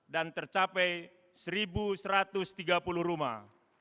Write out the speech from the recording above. dan tercapai seribu satu ratus tiga puluh rumah